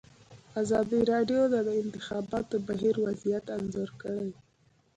ازادي راډیو د د انتخاباتو بهیر وضعیت انځور کړی.